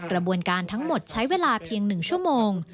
กระบวนการทั้งหมดใช้เวลาเพียง๑ชั่วโมง